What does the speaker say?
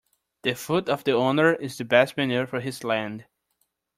The foot of the owner is the best manure for his land.